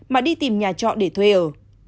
mà đi tìm nhà trọ để thuê ở